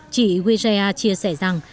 chị wijaya chia sẻ rằng